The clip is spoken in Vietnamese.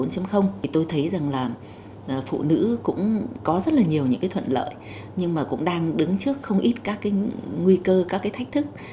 thì tôi thấy rằng là phụ nữ cũng có rất là nhiều những cái thuận lợi nhưng mà cũng đang đứng trước không ít các cái nguy cơ các cái thách thức